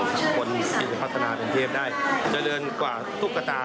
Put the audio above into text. คนที่จะพัฒนาเป็นเทพได้เจริญกว่าตุ๊กตา